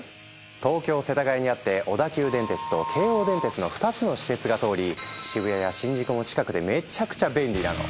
東京世田谷にあって小田急電鉄と京王電鉄の２つの私鉄が通り渋谷や新宿も近くてめちゃくちゃ便利なの。